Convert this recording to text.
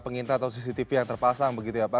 penginta atau cctv yang terpasang begitu ya pak